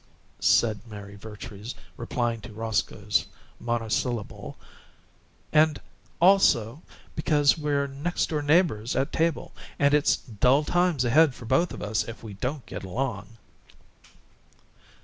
said Mary Vertrees, replying to Roscoe's monosyllable. "And also because we're next door neighbors at table, and it's dull times ahead for both of us if we don't get along."